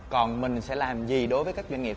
còn mình sẽ làm gì đối với các doanh nghiệp